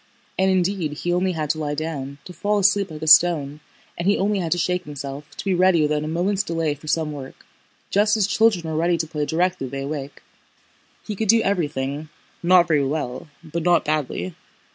And indeed he only had to lie down, to fall asleep like a stone, and he only had to shake himself, to be ready without a moment's delay for some work, just as children are ready to play directly they awake. He could do everything, not very well but not badly.